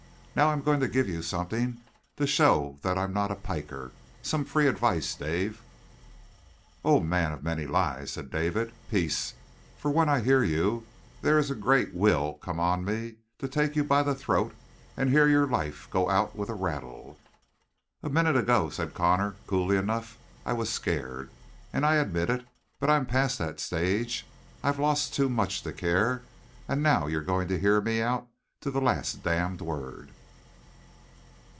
Now I'm going to give you something to show that I'm not a piker some free advice, Dave!" "O man of many lies," said David. "Peace! For when I hear you there is a great will come on me to take you by the throat and hear your life go out with a rattle." "A minute ago," said Connor coolly enough, "I was scared, and I admit it, but I'm past that stage. I've lost too much to care, and now you're going to hear me out to the last damned word!"